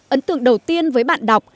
ấn tượng đầu tiên với bạn đọc